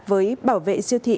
với bảo vệ siêu thị